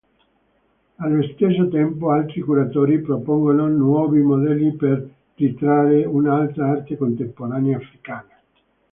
Allo stesso tempo altri curatori propongono nuovi modelli per ritrarre un'altra arte contemporanea africana.